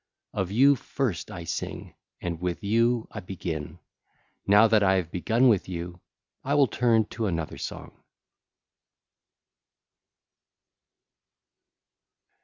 Of you first I sing and with you I begin; now that I have begun with you, I will turn to another song.